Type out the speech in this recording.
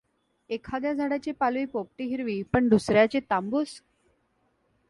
एखाद्या झाडाची पालवी पोपटी हिरवी पण दुसर् याची तांबूस?